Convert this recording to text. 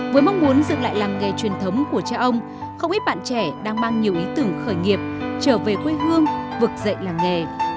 với mong muốn dựng lại làng nghề truyền thống của cha ông không ít bạn trẻ đang mang nhiều ý tưởng khởi nghiệp trở về quê hương vực dậy làng nghề